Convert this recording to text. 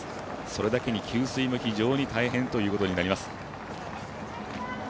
それだけに給水も大変ということになります。